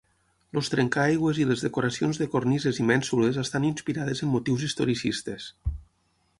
Els trencaaigües i les decoracions de cornises i mènsules estan inspirades en motius historicistes.